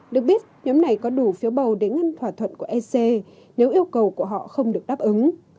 được biết nhóm này có đủ phiếu bầu để ngăn thỏa thuận của ec nếu yêu cầu của họ không được đáp ứng